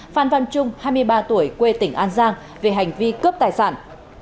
phan văn trung hai mươi ba tuổi quê tỉnh an giang về hành vi cướp tài sản